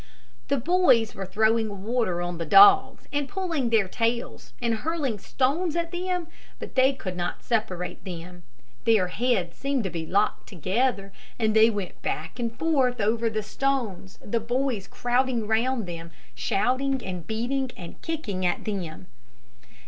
The boys were throwing water on the dogs, and pulling their tails, and hurling stones at them, but they could not separate them. Their heads seemed locked together, and they went back and forth over the stones, the boys crowding around them, shouting, and beating, and kicking at them.